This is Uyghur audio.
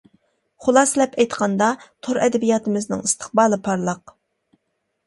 خۇلاسىلەپ ئېيتقاندا، تور ئەدەبىياتىمىزنىڭ ئىستىقبالى پارلاق.